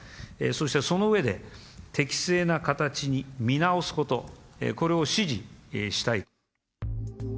そしてその上で、適正な形に見直すこと、これを指示したい。